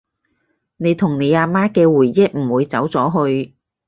你同你阿媽嘅回憶唔會走咗去